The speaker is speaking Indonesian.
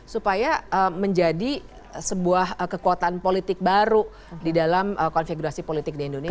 supaya menjadi sebuah kekuatan politik baru di dalam konfigurasi politik di indonesia